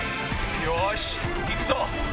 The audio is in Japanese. よし行くぞ！